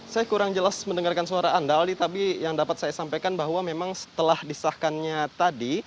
saya kurang jelas mendengarkan suara anda aldi tapi yang dapat saya sampaikan bahwa memang setelah disahkannya tadi